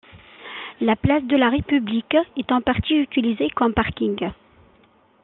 La place de la République est en partie utilisée comme parking.